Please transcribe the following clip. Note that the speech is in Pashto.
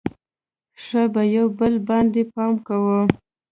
ښه به یو بل باندې پام کوو.